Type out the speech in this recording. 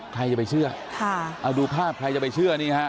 ดูภาพใครจะไปเชื่อ